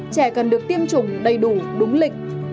trẻ cần được tiêm chủng đầy đủ đúng lịch